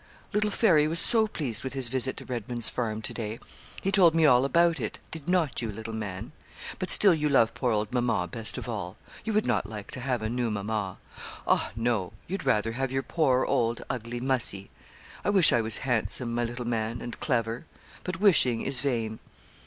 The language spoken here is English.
'Little Fairy was so pleased with his visit to Redman's Farm to day. He told me all about it; did not you, little man? But still you love poor old mamma best of all; you would not like to have a new mamma. Ah, no; you'd rather have your poor old, ugly Mussie. I wish I was handsome, my little man, and clever; but wishing is vain.'